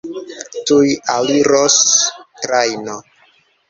Tuj aliros trajno.